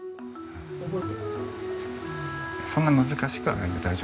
そんな難しくはないので大丈夫です。